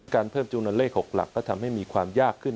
เพิ่มจำนวนเลข๖หลักก็ทำให้มีความยากขึ้น